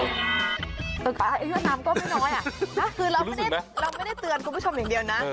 ตอนนั้นก็ไม่น้อยคือเราไม่ได้เตือนคุณผู้ชมอย่างเดียวนะ